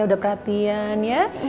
sudah perhatian ya